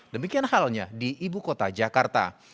demikian halnya di ibu kota jakarta